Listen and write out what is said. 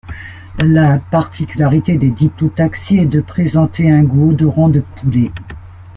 La particularité des Diplotaxis est de présenter un gout odorant de poulet.